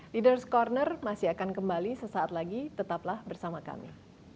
leaders ⁇ corner masih akan kembali sesaat lagi tetaplah bersama kami